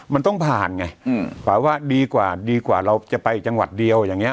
มันต้องผ่านไงฝากว่าดีกว่าดีกว่าเราจะไปจังหวัดเดียวอย่างนี้